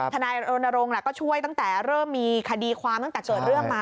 ทนายรณรงค์ก็ช่วยตั้งแต่เริ่มมีคดีความตั้งแต่เกิดเรื่องมา